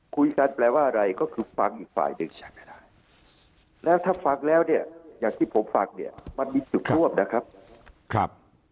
แปลว่าอะไรก็คือฟังอีกฝ่ายหนึ่งแล้วถ้าฟังแล้วเนี่ยอย่างที่ผมฟังเนี่ยมันมีจุดร่วมนะครับ